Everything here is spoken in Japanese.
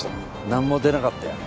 何も出なかったよ